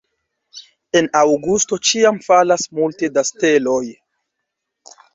En aŭgusto ĉiam falas multe da steloj.